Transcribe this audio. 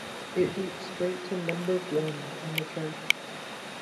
It went straight to number one on the charts.